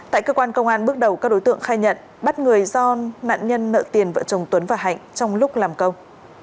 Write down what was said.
tại cơ quan công an bước đầu các đối tượng khai nhận bắt người do nạn nhân nợ tiền vợ chồng tuấn và hạnh trong lúc làm công